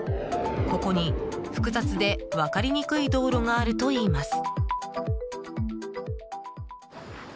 ここに複雑で分かりにくい道路があるといいます。